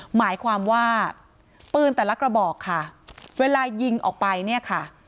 หมายความว่าปืนแต่ละกระบอกค่ะเวลายิงออกไปเนี่ยค่ะ